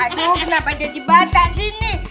aduh kenapa jadi batak sih ini